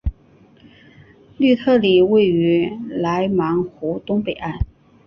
吕特里位于莱芒湖东北岸。